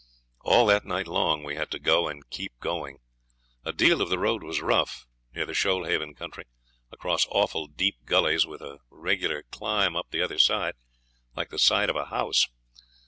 All that night long we had to go, and keep going. A deal of the road was rough near the Shoalhaven country, across awful deep gullies with a regular climb up the other side, like the side of a house.